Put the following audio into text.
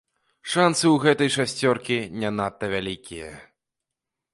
Шанцы ў гэтай шасцёркі не надта вялікія.